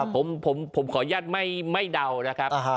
ผมขออนุญาตไม่เดานะครับ